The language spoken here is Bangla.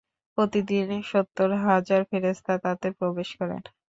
প্রতিদিন সত্তর হাজার ফেরেশতা তাতে প্রবেশ করেন।